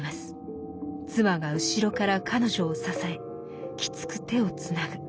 妻が後ろから彼女を支えきつく手をつなぐ。